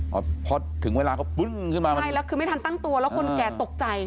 พอพอถึงเวลาเขาปึ้งขึ้นมาใช่แล้วคือไม่ทันตั้งตัวแล้วคนแก่ตกใจ